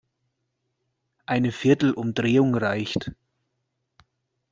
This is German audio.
Eine viertel Umdrehung reicht.